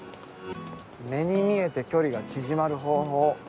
目に見えて距離が縮まる方法